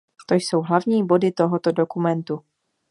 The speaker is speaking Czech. To jsou hlavní body tohoto dokumentu.